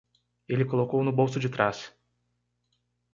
Ele colocou no bolso de trás.